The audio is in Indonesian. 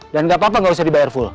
dan gak apa apa gak usah dibayar full